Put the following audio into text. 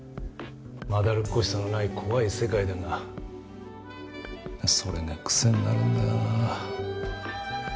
まだるっこしさのない怖い世界だがそれが癖になるんだよなあ。